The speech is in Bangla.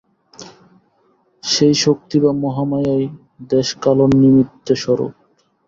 সেই শক্তি বা মহামায়াই দেশকালনিমিত্ত-স্বরূপ।